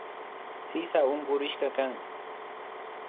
Sisa unkurishkakan